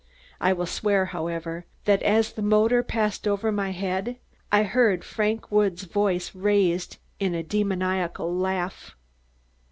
I will swear, however, that as the motor passed over my head, I heard Frank Woods' voice raised in a demoniacal laugh.